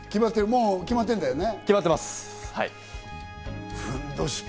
もう決まってるんだよね？